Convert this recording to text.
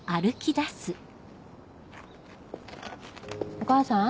お母さん？